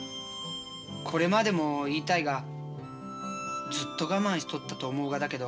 これまでも言いたいがずっと我慢しとったと思うがだけど。